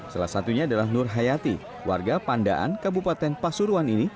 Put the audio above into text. salah satunya adalah nur hayati warga pandaan kabupaten pasuruan ini